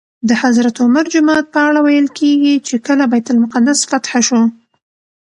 د حضرت عمر جومات په اړه ویل کېږي چې کله بیت المقدس فتح شو.